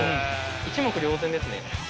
一目瞭然ですね。